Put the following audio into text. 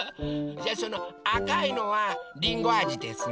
じゃあそのあかいのはりんごあじですね？